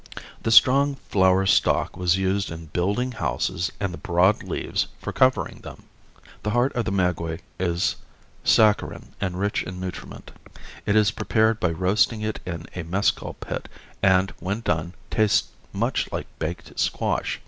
The strong flower stalk was used in building houses and the broad leaves for covering them. The heart of the maguey is saccharine and rich in nutriment. It is prepared by roasting it in a mescal pit and, when done, tastes much like baked squash.